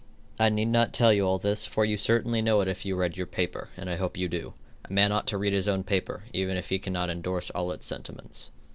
I need not tell you all this, for you certainly know it if you read your paper, and I hope you do. A man ought to read his own paper, even if he cannot endorse all its sentiments.